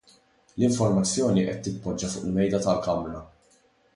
L-informazzjoni qed titpoġġa fuq il-mejda tal-kamra.